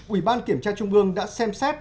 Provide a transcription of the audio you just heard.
ủy ban kiểm tra trung ương đã xem xét